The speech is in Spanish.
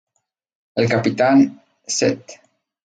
El capitán St.